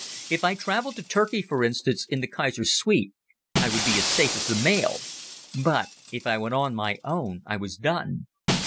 If I travelled to Turkey, for instance, in the Kaiser's suite, I would be as safe as the mail; but if I went on my own I was done.